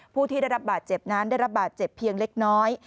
ผู้ที่ได้รับบาดเจ็บนั้นได้รับบาดเจ็บเพียงเล็กน้อย